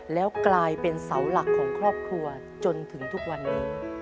แล้วกลายเป็นเสาหลักของครอบครัวจนถึงทุกวันนี้